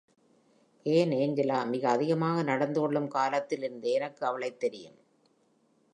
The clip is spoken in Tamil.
ஏன்? ஏஞ்சலா , மிக அதிகமாக நடந்துக் கொள்ளும் காலத்தில் இருந்தே எனக்கு அவளைத் தெரியும்.